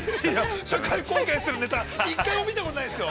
◆社会貢献するネタ、１回も見たことないですよ。